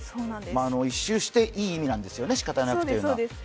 １周していい意味なんですよね、「仕方なく」というのは。